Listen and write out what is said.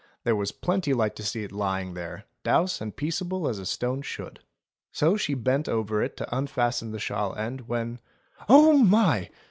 There was plenty light to see it lying there, douce and peaceable as a stone should. So she bent over it to unfasten the shawl end, when — "Oh my!"